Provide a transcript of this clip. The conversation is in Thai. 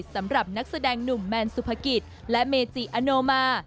สำหรับนักแสดงหนุ่มแมนสุภกิจและเมจิอโนมา